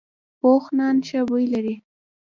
پوخ نان ښه بوی لري